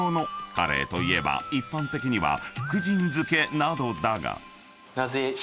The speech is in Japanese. ［カレーといえば一般的には福神漬けなどだが］